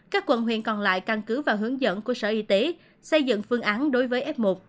các quận huyện còn lại căn cứ và hướng dẫn của sở y tế xây dựng phương án đối với f một